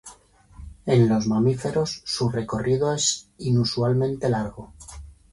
En los mamíferos, su recorrido es inusualmente largo.